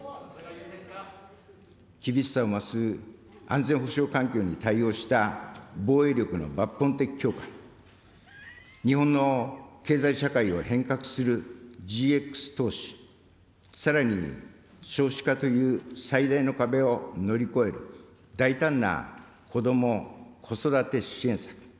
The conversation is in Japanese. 厳しさを増す安全保障環境に対応した防衛力の抜本的強化、日本の経済社会を変革するＧＸ投資、さらに少子化という最大の壁を乗り越える大胆なこども・子育て支援策。